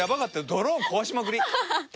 ドローン壊しまくり。